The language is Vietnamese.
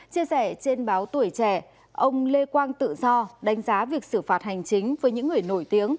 chia sẻ trên báo tuổi trẻ ông lê quang tự do đánh giá việc xử phạt hành chính với những người nổi tiếng